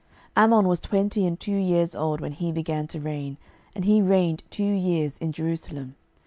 12:021:019 Amon was twenty and two years old when he began to reign, and he reigned two years in Jerusalem.